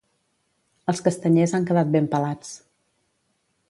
Els castanyers han quedat ben pelats.